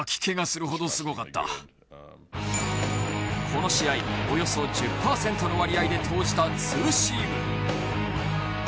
この試合およそ１０％の割合で投じたツーシーム。